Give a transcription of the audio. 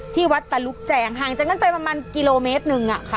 ที่วัดตะลุกแจงห่างจากนั้นไปประมาณกิโลเมตรหนึ่งอะค่ะ